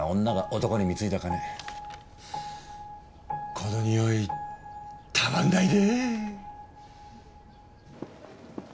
このにおいたまんないね。